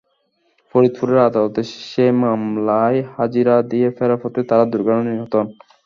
ফরিদপুরের আদালতে সেই মামলায় হাজিরা দিয়ে ফেরার পথে তাঁরা দুর্ঘটনায় নিহত হন।